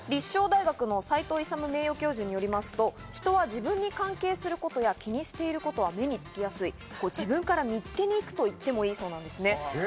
立正大学の齊藤勇名誉教授によりますと、人は自分に関係することや気にしていることは目につきやすい、自分から見つけに行くと言ってもいいそうです。